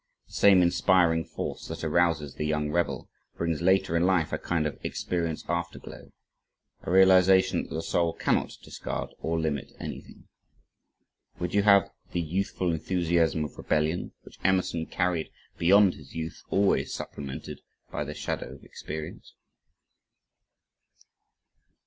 The same inspiring force that arouses the young rebel, brings later in life a kind of "experience afterglow," a realization that the soul cannot discard or limit anything. Would you have the youthful enthusiasm of rebellion, which Emerson carried beyond his youth always supplemented by the shadow of experience?